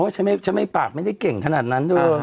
อ๋อฉันไม่ปากไม่ได้เก่งขนาดนั้นด้วย